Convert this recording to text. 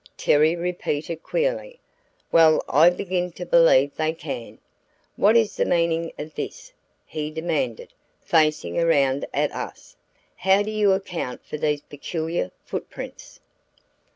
Terry repeated queerly. "Well I begin to believe they can! What is the meaning of this?" he demanded, facing around at us. "How do you account for these peculiar foot prints?"